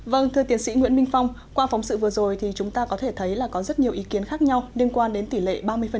vâng thưa tiến sĩ nguyễn minh phong qua phóng sự vừa rồi thì chúng ta có thể thấy là có rất nhiều ý kiến khác nhau liên quan đến tỷ lệ ba mươi